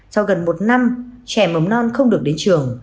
sau gần một năm trẻ mầm non không được đến trường